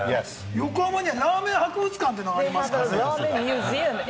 横浜にはラーメン博物館がありますからね。